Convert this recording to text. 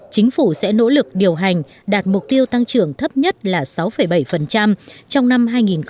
chính phủ sẽ nỗ lực điều hành đạt mục tiêu tăng trưởng thấp nhất là sáu bảy trong năm hai nghìn hai mươi